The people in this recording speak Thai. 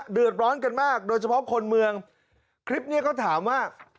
เดือดร้อนกันมากโดยเฉพาะคนเมืองคลิปนี้ก็ถามว่า